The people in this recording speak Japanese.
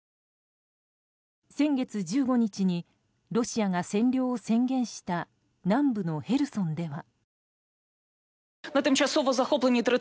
先月１５日にロシアが占領を宣言した南部のヘルソンでは。